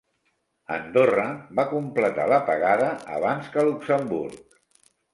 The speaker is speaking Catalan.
Andorra va completar l'apagada abans que Luxemburg.